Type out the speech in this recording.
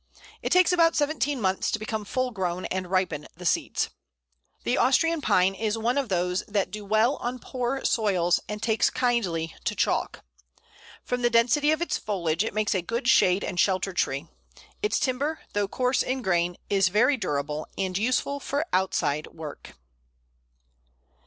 It takes about seventeen months to become full grown and ripen the seeds. [Illustration: Pl. 168. Cones of Austrian Pine.] The Austrian Pine is one of those that do well on poor soils, and takes kindly to chalk. From the density of its foliage, it makes a good shade and shelter tree. Its timber, though coarse in grain, is very durable, and useful for outside work.